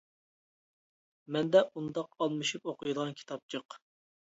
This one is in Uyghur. مەندە ئۇنداق ئالمىشىپ ئوقۇيدىغان كىتاب جىق!